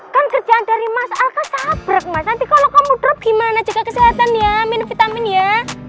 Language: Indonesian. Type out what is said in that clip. kan kerjaan dari mas alka sabrek mas nanti kalau kamu drop gimana jaga kesehatan ya minum vitamin ya